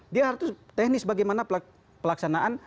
dia harus teknis bagaimana pelaksanaan